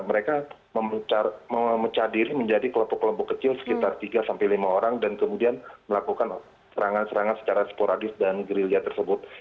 mereka memecah diri menjadi kelompok kelompok kecil sekitar tiga sampai lima orang dan kemudian melakukan serangan serangan secara sporadis dan gerilya tersebut